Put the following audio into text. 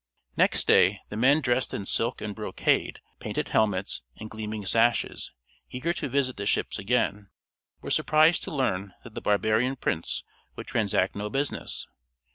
Next day, the men dressed in silk and brocade, painted helmets, and gleaming sashes, eager to visit the ships again, were surprised to learn that the barbarian prince would transact no business.